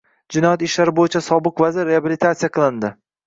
Jinoyat ishlari bo'yicha sobiq vazir reabilitatsiya qilindi